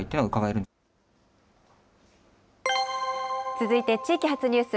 続いて、地域発ニュース。